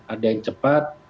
ada yang cepat